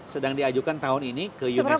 sedang diajukan tahun ini ke unesco